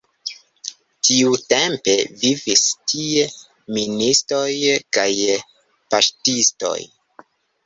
Tiutempe vivis tie ministoj kaj paŝtistoj.